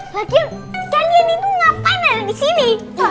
kalian itu ngapain ada disini